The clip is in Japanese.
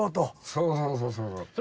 そうそうそうそうそう。